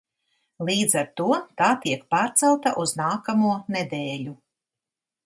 Līdz ar to tā tiek pārcelta uz nākamo nedēļu.